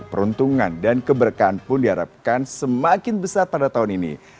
peruntungan dan keberkahan pun diharapkan semakin besar pada tahun ini